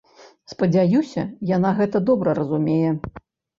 Спадзяюся, яна гэта добра разумее.